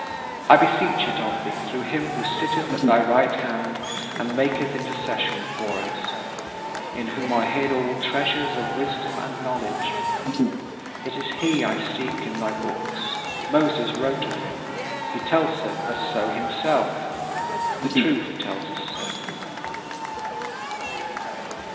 I beseech it of thee through him who sitteth at thy right hand and maketh intercession for us, "in whom are hid all treasures of wisdom and knowledge." It is he I seek in thy books. Moses wrote of him. He tells us so himself; the Truth tells us so.